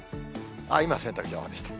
今、洗濯情報でした。